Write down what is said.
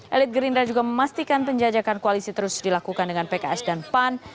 elit gerindra juga memastikan penjajakan koalisi terus dilakukan dengan pks dan pan